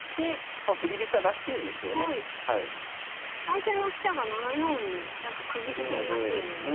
相手の飛車が７四にくぎづけになってるのも。